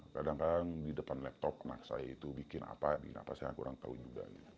kadang kadang di depan laptop anak saya itu bikin apa saya kurang tahu juga